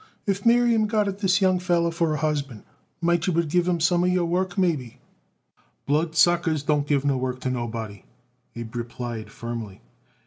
If Miriam got it this young feller for a husband, might you would give him some of your work, maybe?" "Bloodsuckers don't give no work to nobody," Abe replied firmly.